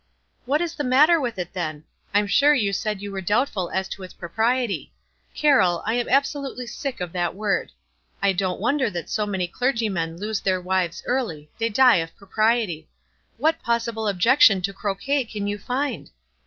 "What is the matter with it then? I'm sure you said \*ou were doubtful as to its propriety. Carroll, I am absolutely sick of that word. I don't wonder that so many clergymen lose their wives early — they die of propriety. What possible objection to croquet can you find?"